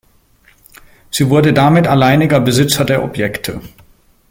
Sie wurde damit alleiniger Besitzer der Objekte.